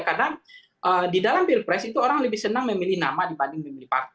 karena di dalam bill price itu orang lebih senang memilih nama dibanding memilih pak